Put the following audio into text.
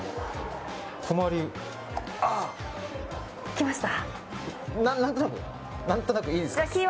来ました？